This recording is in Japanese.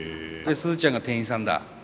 スズちゃんが店員さんだ。